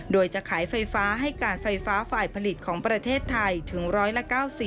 โดยจะขายไฟฟ้าให้การไฟฟ้าฝ่ายผลิตของประเทศไทยถึง๑๙๐